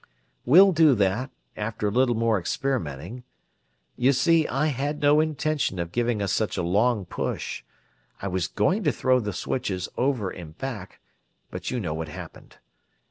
"We'll do that, after a little more experimenting. You see, I had no intention of giving us such a long push. I was going to throw the switches over and back, but you know what happened.